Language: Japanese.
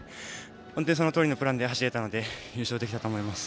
本当にそのとおりのプランで走れたので優勝できたと思います。